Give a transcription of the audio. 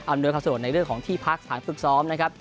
ด้วยความสะดวกในเรื่องของที่พักสถานฝึกซ้อมนะครับ